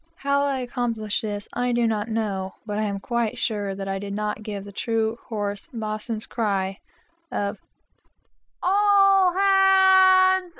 How I accomplished this I do not know, but I am quite sure I did not give the true hoarse, boatswain call of "A a ll ha a a nds!